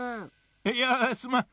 いやすまん。